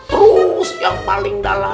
terus yang paling dalam